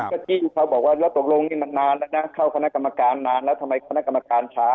ที่เขาบอกว่าแล้วตกลงนี่มันนานแล้วนะเข้าคณะกรรมการนานแล้วทำไมคณะกรรมการช้า